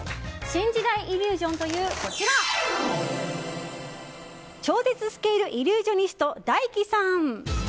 新時代イリュージョンという超絶スケールイリュージョニストＤＡＩＫＩさん。